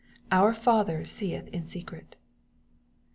" Our Father seeth in secret."